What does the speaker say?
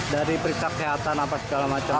dari periksa kesehatan apa segala macam